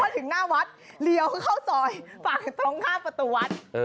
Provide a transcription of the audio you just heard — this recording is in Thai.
ถึงหน้าวัดเลี้ยวเข้าซอยฝั่งตรงข้ามประตูวัด